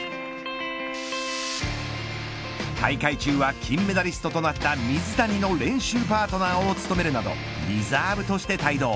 大会中は金メダリストとなった水谷の練習パートナーを務めるなどリザーブとして帯同。